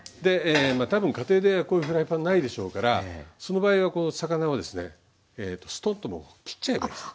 多分家庭でこういうフライパンないでしょうからその場合は魚をですねストンともう切っちゃえばいいです。